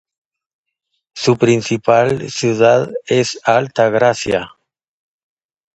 Su principal ciudad es Alta Gracia.